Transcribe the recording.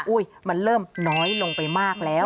มันเริ่มน้อยลงไปมากแล้ว